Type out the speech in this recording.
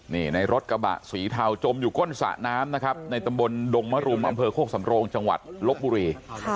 นี่ในรถกระบะสีเทาจมอยู่ก้นสระน้ำนะครับในตำบลดงมรุมอำเภอโคกสำโรงจังหวัดลบบุรี